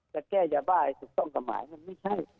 จะแก้ยภาพจัดซับต้นกับหมายมันไม่ใช่